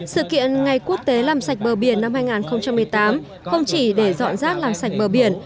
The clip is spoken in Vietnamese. sự kiện ngày quốc tế làm sạch bờ biển năm hai nghìn một mươi tám không chỉ để dọn rác làm sạch bờ biển